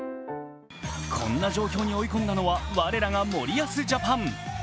こんな状況に追い込んだのは我らが森保ジャパン。